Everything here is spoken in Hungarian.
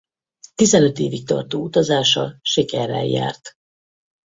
Tizenöt évig tartó utazása sikerrel járt.